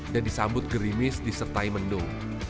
dan disambut gerimis disertai mendung